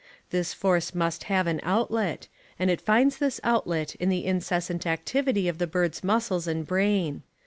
This force must have an outlet, and it finds this outlet in the incessant activity of the bird's muscles and brain.